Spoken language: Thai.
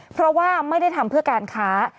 เพราะว่าไม่ได้ทำเพื่อการค้า